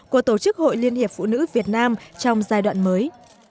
của tổ chức hội liên hiệp phụ nữ việt nam trong giai đoạn mới